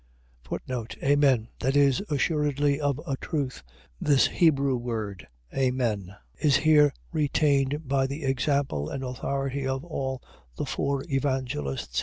Amen. . .That is, assuredly of a truth. . .This Hebrew word, amen, is here retained by the example and authority of all the four Evangelists.